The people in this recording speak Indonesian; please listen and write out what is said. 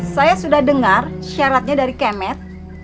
saya sudah dengar syaratnya dari kemet